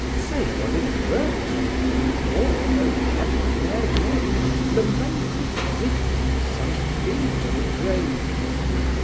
Say, was it virtue, more though Heaven ne'er gave, Lamented Digby! sunk thee to the grave?